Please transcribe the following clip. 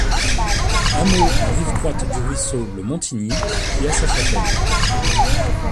Hameau en rive droite du ruisseau Le Montigny qui a sa chapelle.